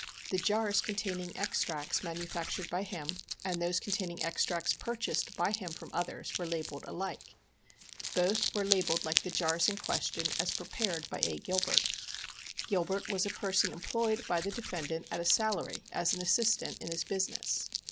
The jars containing extracts manufactured by him and those containing extracts purchased by him from others, were labelled alike. Both were labelled like the jars in question, as prepared by A. Gilbert. Gilbert was a per son employed by the defendant at a salary, as an assistant^ in his business.